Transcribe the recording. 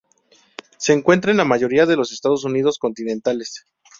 Se encuentra en la mayoría de los Estados Unidos continentales.